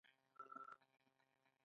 آزاد تجارت مهم دی ځکه چې صنعت پرمختګ کوي.